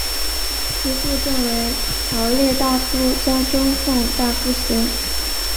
其父赠为朝列大夫加中奉大夫衔。